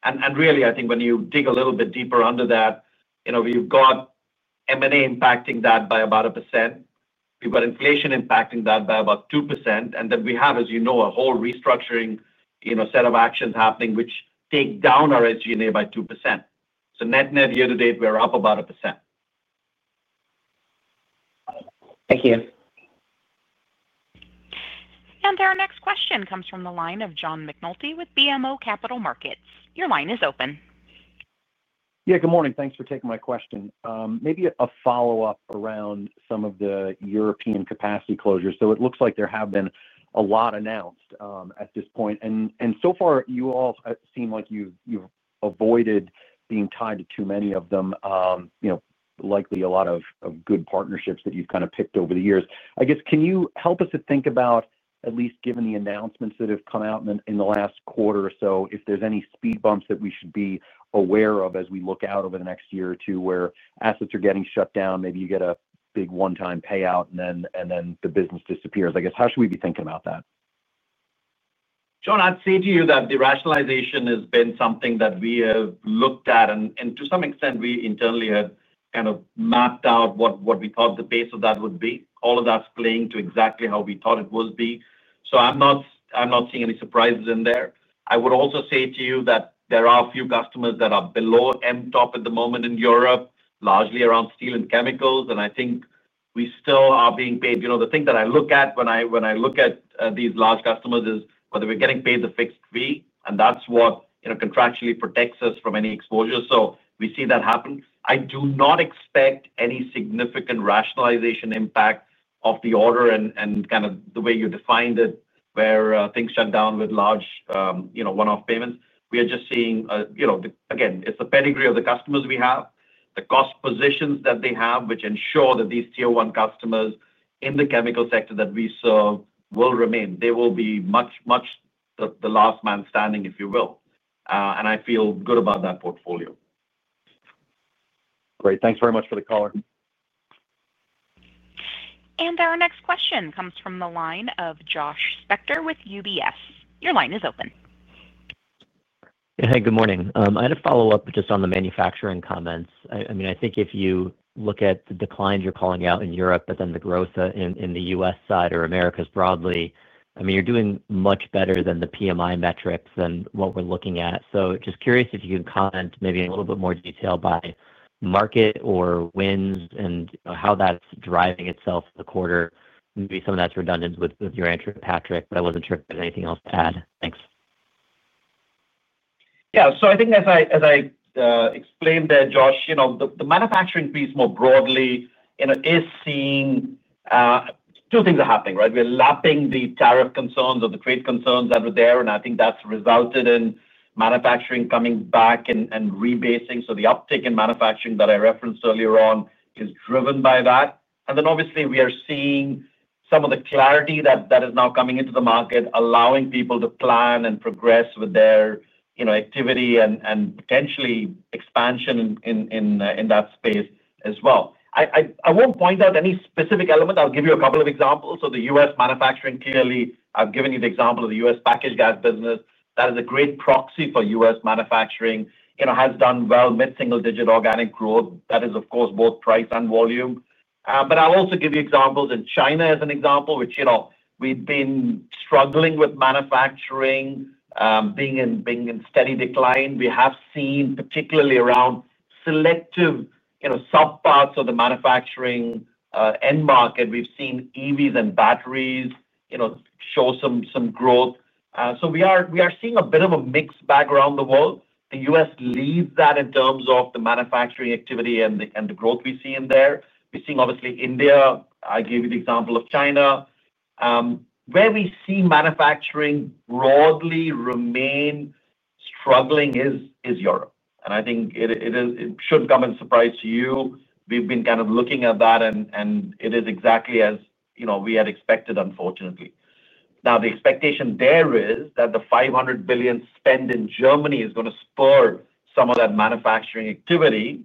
I think when you dig a little bit deeper under that, you've got M&A impacting that by about 1%. You've got inflation impacting that by about 2%. We have, as you know, a whole restructuring set of actions happening, which take down our SG&A by 2%. Net-net year-to-date, we're up about 1%. Thank you. Our next question comes from the line of John McNulty with BMO Capital Markets. Your line is open. Good morning. Thanks for taking my question. Maybe a follow-up around some of the European capacity closures. It looks like there have been a lot announced at this point. So far, you all seem like you've avoided being tied to too many of them, likely a lot of good partnerships that you've kind of picked over the years. I guess, can you help us to think about, at least given the announcements that have come out in the last quarter or so, if there's any speed bumps that we should be aware of as we look out over the next year or two where assets are getting shut down, maybe you get a big one-time payout, and then the business disappears? How should we be thinking about that? John, I'd say to you that the rationalization has been something that we have looked at. To some extent, we internally have kind of mapped out what we thought the pace of that would be. All of that's playing to exactly how we thought it would be. I'm not seeing any surprises in there. I would also say to you that there are a few customers that are below MTOP at the moment in Europe, largely around steel and chemicals. I think we still are being paid. The thing that I look at when I look at these large customers is whether we're getting paid the fixed fee. That's what contractually protects us from any exposure. We see that happen. I do not expect any significant rationalization impact of the order and kind of the way you defined it where things shut down with large one-off payments. We are just seeing the pedigree of the customers we have, the cost positions that they have, which ensure that these tier-one customers in the chemical sector that we serve will remain. They will be much, much the last man standing, if you will. I feel good about that portfolio. Great. Thanks very much for the call. Our next question comes from the line of Josh Spector with UBS. Your line is open. Hey, good morning. I had a follow-up just on the manufacturing comments. I think if you look at the declines you're calling out in Europe, but then the growth in the U.S. side or Americas broadly, you're doing much better than the PMI metrics and what we're looking at. I'm just curious if you can comment maybe a little bit more detail by market or wins and how that's driving itself the quarter. Maybe some of that's redundant with your answer, Patrick, but I wasn't sure if you had anything else to add. Thanks. Yeah. I think as I explained there, Josh, the manufacturing piece more broadly is seeing two things happening, right? We're lapping the tariff concerns or the trade concerns that were there, and I think that's resulted in manufacturing coming back and rebasing. The uptick in manufacturing that I referenced earlier on is driven by that. Obviously, we are seeing some of the clarity that is now coming into the market, allowing people to plan and progress with their activity and potentially expansion in that space as well. I won't point out any specific element. I'll give you a couple of examples. The U.S. manufacturing, clearly, I've given you the example of the U.S. packaged gas business. That is a great proxy for U.S. manufacturing. Has done well, mid-single-digit organic growth. That is, of course, both price and volume. I'll also give you examples in China, which we've been struggling with manufacturing, being in steady decline. We have seen, particularly around selective subparts of the manufacturing end market, we've seen EVs and batteries show some growth. We are seeing a bit of a mixed bag around the world. The U.S. leads that in terms of the manufacturing activity and the growth we see in there. We're seeing, obviously, India. I gave you the example of China. Where we see manufacturing broadly remain struggling is Europe. I think it shouldn't come as a surprise to you. We've been kind of looking at that, and it is exactly as we had expected, unfortunately. The expectation there is that the $500 billion spend in Germany is going to spur some of that manufacturing activity.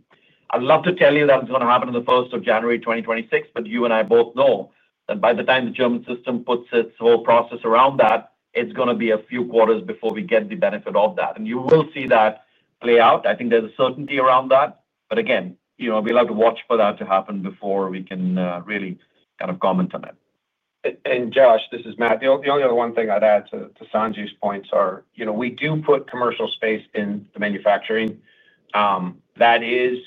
I'd love to tell you that it's going to happen on January 1, 2026, but you and I both know that by the time the German system puts its whole process around that, it's going to be a few quarters before we get the benefit of that. You will see that play out. I think there's a certainty around that. Again, we'll have to watch for that to happen before we can really kind of comment on it. Josh, this is Matt. The only other one thing I'd add to Sanjiv's points is we do put commercial space in the manufacturing. That is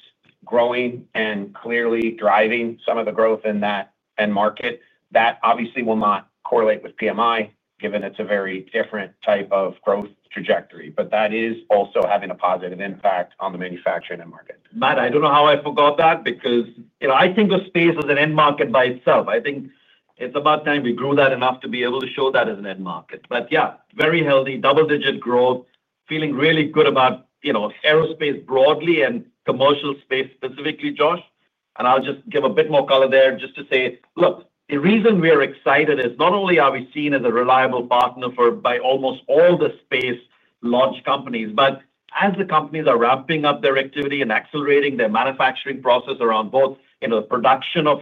growing and clearly driving some of the growth in that end market. That obviously will not correlate with PMI, given it's a very different type of growth trajectory. That is also having a positive impact on the manufacturing end market. Matt, I don't know how I forgot that because I think of space as an end market by itself. I think it's about time we grew that enough to be able to show that as an end market. Yeah, very healthy, double-digit growth, feeling really good about aerospace broadly and commercial space specifically, Josh. I'll just give a bit more color there just to say, look, the reason we are excited is not only are we seen as a reliable partner by almost all the space launch companies, but as the companies are ramping up their activity and accelerating their manufacturing process around both the production of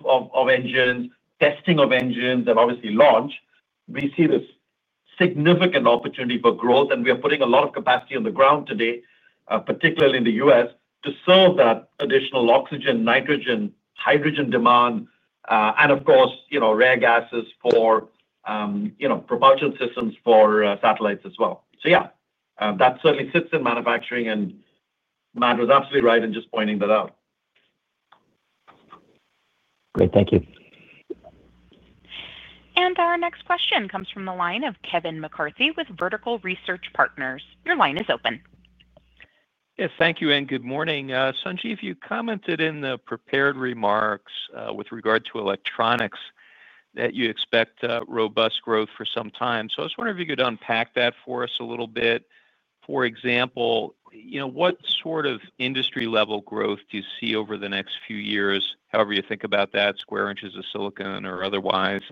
engines, testing of engines, and obviously launch, we see this significant opportunity for growth. We are putting a lot of capacity on the ground today, particularly in the U.S., to serve that additional oxygen, nitrogen, hydrogen demand, and of course, rare gases for propulsion systems for satellites as well. That certainly sits in manufacturing. Matt was absolutely right in just pointing that out. Great. Thank you. Our next question comes from the line of Kevin McCarthy with Vertical Research Partners. Your line is open. Yes. Thank you and good morning. Sanjiv, you commented in the prepared remarks with regard to electronics that you expect robust growth for some time. I was wondering if you could unpack that for us a little bit. For example, what sort of industry-level growth do you see over the next few years, however you think about that, square inches of silicon or otherwise?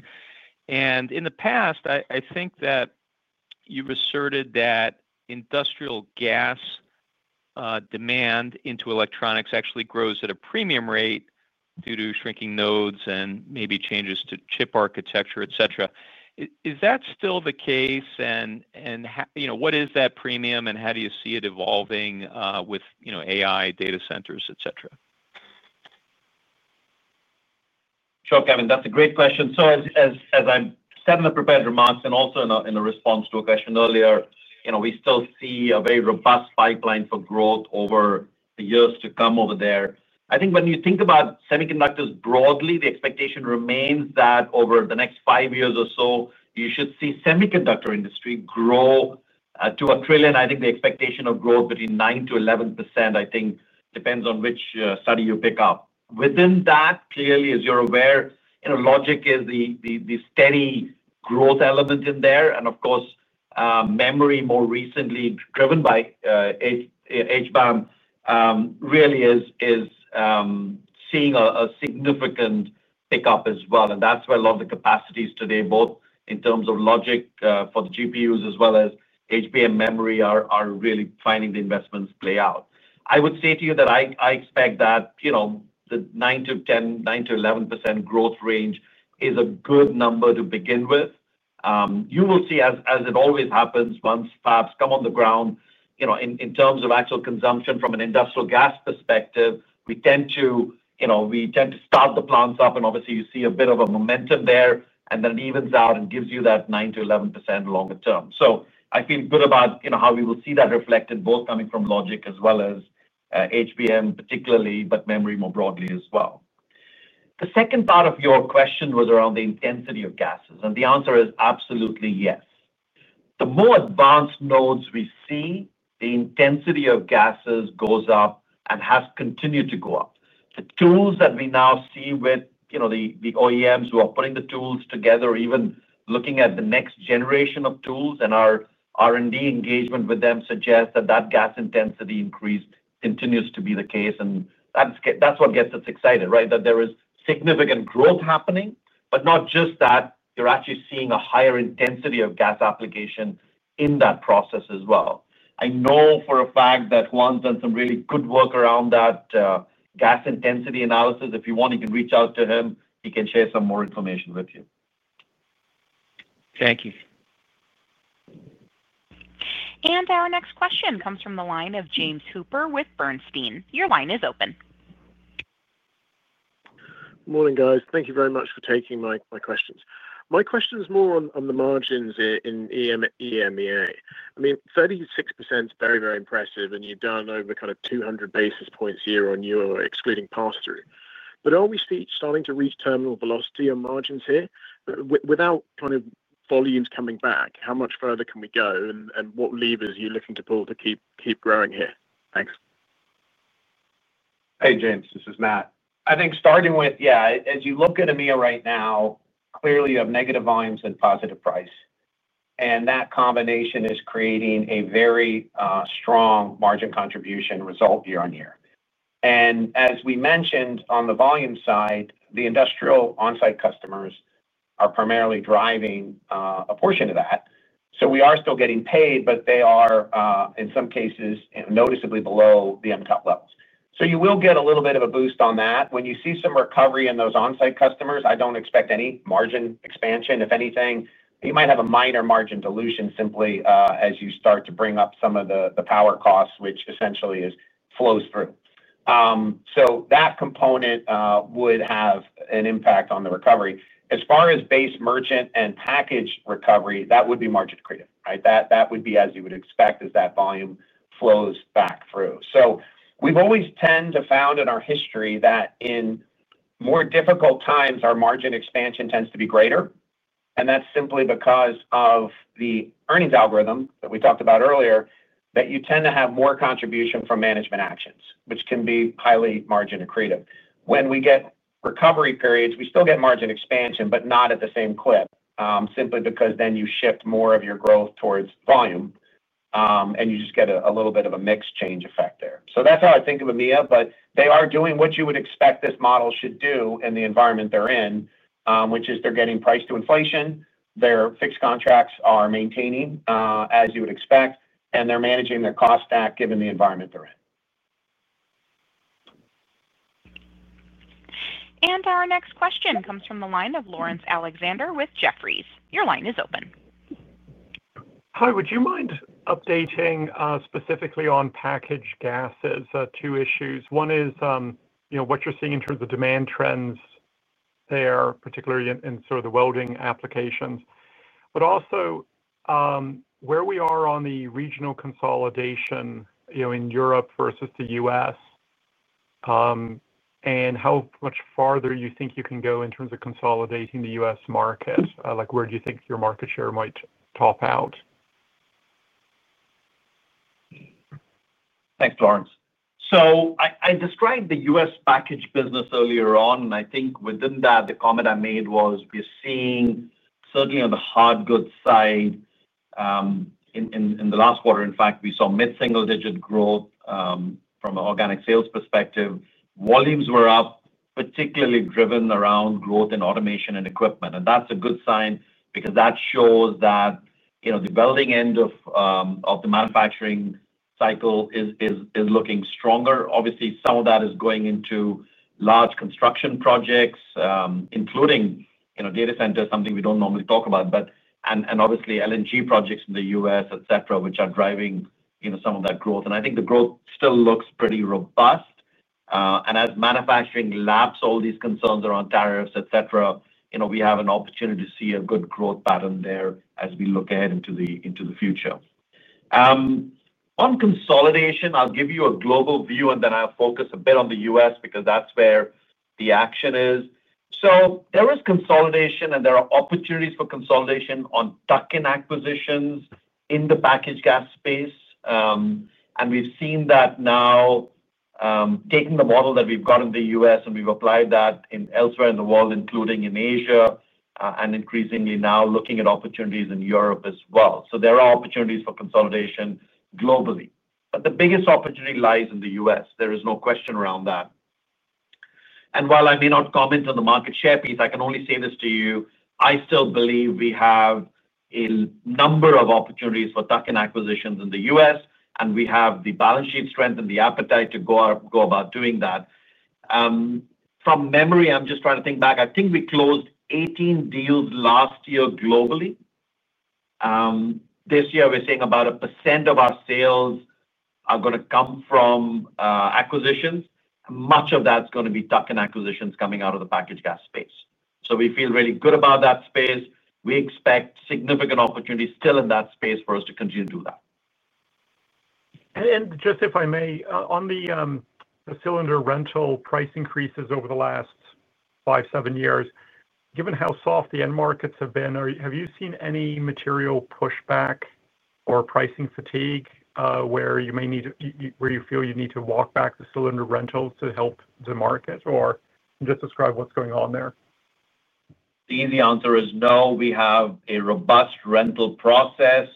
In the past, I think that you've asserted that industrial gas demand into electronics actually grows at a premium rate due to shrinking nodes and maybe changes to chip architecture, etc. Is that still the case? What is that premium, and how do you see it evolving with AI, data centers, etc.? Sure, Kevin. That's a great question. As I said in the prepared remarks and also in a response to a question earlier, we still see a very robust pipeline for growth over the years to come over there. I think when you think about semiconductors broadly, the expectation remains that over the next five years or so, you should see the semiconductor industry grow to a trillion. I think the expectation of growth between 9%-11% depends on which study you pick up. Within that, clearly, as you're aware, logic is the steady growth element in there. Of course, memory, more recently driven by HBM, really is seeing a significant pickup as well. That's where a lot of the capacities today, both in terms of logic for the GPUs as well as HBM memory, are really finding the investments play out. I would say to you that I expect that the 9%-10%, 9%-11% growth range is a good number to begin with. You will see, as it always happens, once fabs come on the ground, in terms of actual consumption from an industrial gas perspective, we tend to start the plants up. Obviously, you see a bit of a momentum there, and then it evens out and gives you that 9%-11% longer term. I feel good about how we will see that reflected, both coming from logic as well as HBM particularly, but memory more broadly as well. The second part of your question was around the intensity of gases. The answer is absolutely yes. The more advanced nodes we see, the intensity of gases goes up and has continued to go up. The tools that we now see with the OEMs who are putting the tools together, even looking at the next generation of tools and our R&D engagement with them, suggests that gas intensity increase continues to be the case. That's what gets us excited, right? There is significant growth happening, but not just that. You're actually seeing a higher intensity of gas application in that process as well. I know for a fact that Juan's done some really good work around that gas intensity analysis. If you want, you can reach out to him. He can share some more information with you. Thank you. Our next question comes from the line of James Hooper with Bernstein. Your line is open. Morning, guys. Thank you very much for taking my questions. My question is more on the margins in EMEA. I mean, 36% is very, very impressive. You're down over kind of 200 basis points year on year excluding pass-through. Are we starting to reach terminal velocity on margins here? Without kind of volumes coming back, how much further can we go? What levers are you looking to pull to keep growing here? Thanks. Hey, James. This is Matt. I think starting with, yeah, as you look at EMEA right now, clearly you have negative volumes and positive price. That combination is creating a very strong margin contribution result year on year. As we mentioned, on the volume side, the industrial onsite customers are primarily driving a portion of that. We are still getting paid, but they are, in some cases, noticeably below the MTOP levels. You will get a little bit of a boost on that. When you see some recovery in those onsite customers, I don't expect any margin expansion, if anything. You might have a minor margin dilution simply as you start to bring up some of the power costs, which essentially flows through. That component would have an impact on the recovery. As far as base merchant and package recovery, that would be margin accretive, right? That would be as you would expect as that volume flows back through. We've always tended to find in our history that in more difficult times, our margin expansion tends to be greater. That's simply because of the earnings algorithm that we talked about earlier, that you tend to have more contribution from management actions, which can be highly margin accretive. When we get recovery periods, we still get margin expansion, but not at the same clip, simply because then you shift more of your growth towards volume. You just get a little bit of a mix change effect there. That's how I think of EMEA. They are doing what you would expect this model should do in the environment they're in, which is they're getting price to inflation. Their fixed contracts are maintaining, as you would expect. They're managing their cost stack given the environment they're in. Our next question comes from the line of Lawrence Alexander with Jefferies. Your line is open. Hi. Would you mind updating specifically on packaged gases? Two issues. One is what you're seeing in terms of the demand trends there, particularly in sort of the welding applications. Also, where we are on the regional consolidation in Europe versus the U.S., and how much farther you think you can go in terms of consolidating the U.S. market. Like where do you think your market share might top out? Thanks, Lawrence. I described the U.S. package business earlier on. I think within that, the comment I made was we're seeing certainly on the hard goods side. In the last quarter, in fact, we saw mid-single-digit growth from an organic sales perspective. Volumes were up, particularly driven around growth in automation and equipment. That's a good sign because that shows that the welding end of the manufacturing cycle is looking stronger. Obviously, some of that is going into large construction projects, including data centers, something we don't normally talk about, and obviously, LNG projects in the U.S., etc., which are driving some of that growth. I think the growth still looks pretty robust. As manufacturing laps all these concerns around tariffs, etc., we have an opportunity to see a good growth pattern there as we look ahead into the future. On consolidation, I'll give you a global view, and then I'll focus a bit on the U.S. because that's where the action is. There is consolidation, and there are opportunities for consolidation on tuck-in acquisitions in the packaged gas space. We've seen that now. Taking the model that we've got in the U.S., we've applied that elsewhere in the world, including in Asia, and increasingly now looking at opportunities in Europe as well. There are opportunities for consolidation globally, but the biggest opportunity lies in the U.S. There is no question around that. While I may not comment on the market share piece, I can only say this to you. I still believe we have a number of opportunities for tuck-in acquisitions in the U.S., and we have the balance sheet strength and the appetite to go about doing that. From memory, I'm just trying to think back. I think we closed 18 deals last year globally. This year, we're seeing about a percent of our sales are going to come from acquisitions. Much of that's going to be tuck-in acquisitions coming out of the packaged gas space. We feel really good about that space. We expect significant opportunities still in that space for us to continue to do that. If I may, on the cylinder rental price increases over the last five, seven years, given how soft the end markets have been, have you seen any material pushback or pricing fatigue where you feel you need to walk back the cylinder rentals to help the market? Just describe what's going on there. The easy answer is no. We have a robust rental process.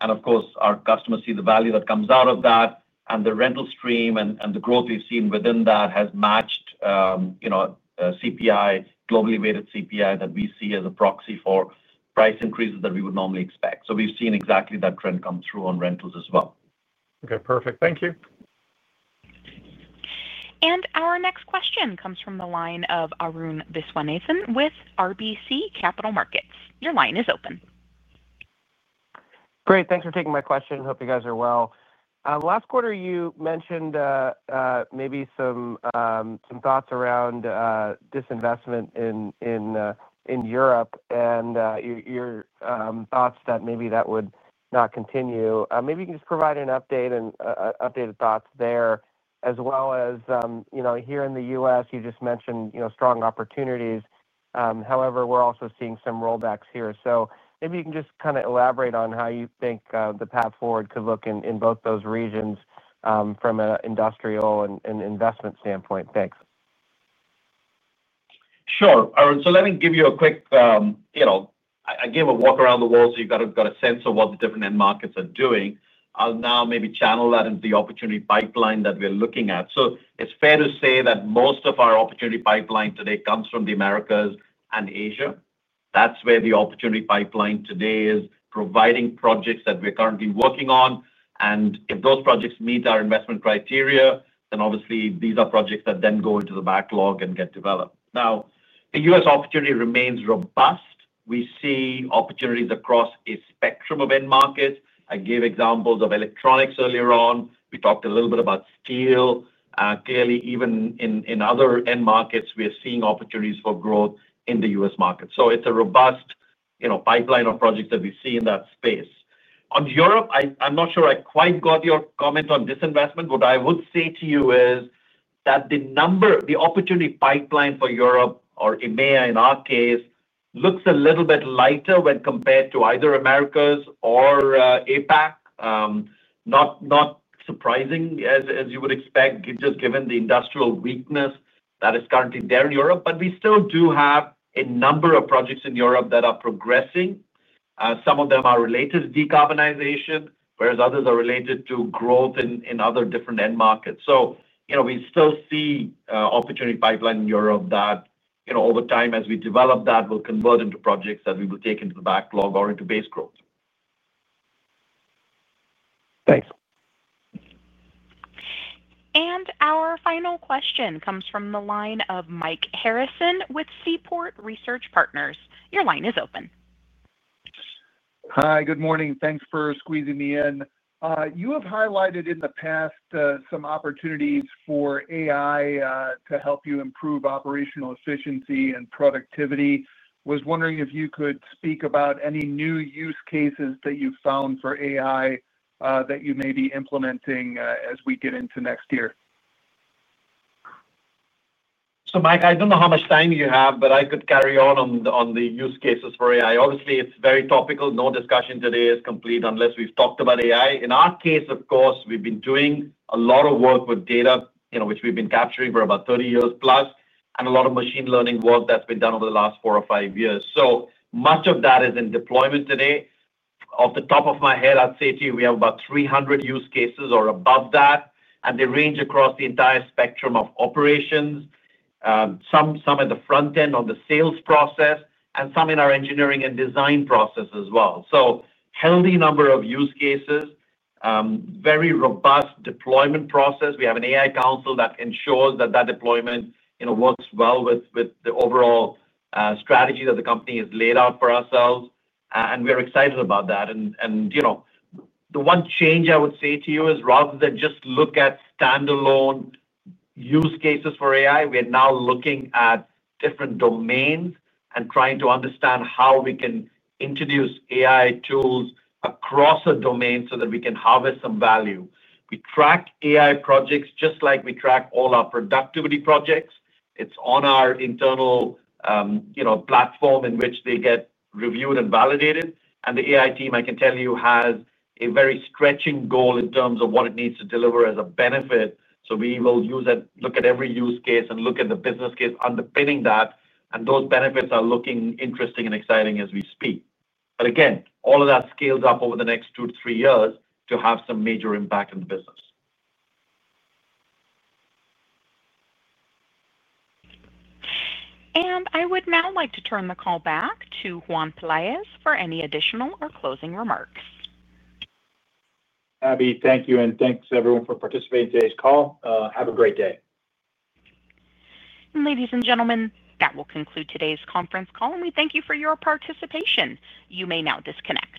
Our customers see the value that comes out of that. The rental stream and the growth we've seen within that has matched globally weighted CPI that we see as a proxy for price increases that we would normally expect. We've seen exactly that trend come through on rentals as well. Okay. Perfect. Thank you. Our next question comes from the line of Arun Viswanathan with RBC Capital Markets. Your line is open. Great. Thanks for taking my question. Hope you guys are well. Last quarter, you mentioned maybe some thoughts around disinvestment in Europe, and your thoughts that maybe that would not continue. Maybe you can just provide an update and updated thoughts there, as well as here in the U.S., you just mentioned strong opportunities. However, we're also seeing some rollbacks here. Maybe you can just kind of elaborate on how you think the path forward could look in both those regions from an industrial and investment standpoint. Thanks. Sure. Let me give you a quick walk around the world, so you've got a sense of what the different end markets are doing. I'll now maybe channel that into the opportunity pipeline that we're looking at. It's fair to say that most of our opportunity pipeline today comes from the Americas and Asia. That's where the opportunity pipeline today is, providing projects that we're currently working on. If those projects meet our investment criteria, then obviously, these are projects that then go into the backlog and get developed. The U.S. opportunity remains robust. We see opportunities across a spectrum of end markets. I gave examples of electronics earlier on. We talked a little bit about steel. Clearly, even in other end markets, we are seeing opportunities for growth in the U.S. market. It's a robust pipeline of projects that we see in that space. On Europe, I'm not sure I quite got your comment on disinvestment. What I would say to you is that the opportunity pipeline for Europe, or EMEA in our case, looks a little bit lighter when compared to either Americas or APAC. Not surprising, as you would expect, just given the industrial weakness that is currently there in Europe. We still do have a number of projects in Europe that are progressing. Some of them are related to decarbonization, whereas others are related to growth in other different end markets. We still see an opportunity pipeline in Europe that, over time, as we develop that, will convert into projects that we will take into the backlog or into base growth. Thanks. Our final question comes from the line of Mike Harrison with Seaport Research Partners. Your line is open. Hi. Good morning. Thanks for squeezing me in. You have highlighted in the past some opportunities for AI to help you improve operational efficiency and productivity. I was wondering if you could speak about any new use cases that you've found for AI that you may be implementing as we get into next year. Mike, I don't know how much time you have, but I could carry on on the use cases for AI. Obviously, it's very topical. No discussion today is complete unless we've talked about AI. In our case, of course, we've been doing a lot of work with data, which we've been capturing for about 30 years plus, and a lot of machine learning work that's been done over the last four or five years. Much of that is in deployment today. Off the top of my head, I'd say to you, we have about 300 use cases or above that, and they range across the entire spectrum of operations. Some at the front end of the sales process, and some in our engineering and design process as well. A healthy number of use cases. Very robust deployment process. We have an AI console that ensures that deployment works well with the overall strategy that the company has laid out for ourselves. We're excited about that. The one change I would say to you is, rather than just look at standalone use cases for AI, we are now looking at different domains and trying to understand how we can introduce AI tools across a domain so that we can harvest some value. We track AI projects just like we track all our productivity projects. It's on our internal platform in which they get reviewed and validated. The AI team, I can tell you, has a very stretching goal in terms of what it needs to deliver as a benefit. We will look at every use case and look at the business case underpinning that. Those benefits are looking interesting and exciting as we speak. All of that scales up over the next two to three years to have some major impact in the business. I would now like to turn the call back to Juan Peláez for any additional or closing remarks. Abby, thank you. Thanks, everyone, for participating in today's call. Have a great day. Ladies and gentlemen, that will conclude today's conference call. We thank you for your participation. You may now disconnect.